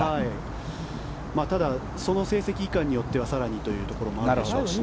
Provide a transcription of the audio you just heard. ただ、その成績いかんによっては更にというところもあるでしょうしね。